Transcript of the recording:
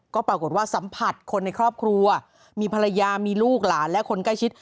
ก็ปรากฏว่าสัมผัสคนในครอบครัวมีภรรยามีลูกหลานและคนใกล้ชิด